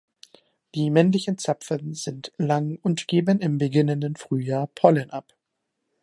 Die männlichen Zapfen sind lang und geben im beginnenden Frühjahr Pollen ab.